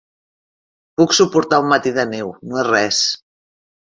Puc suportar un matí de neu, no és res.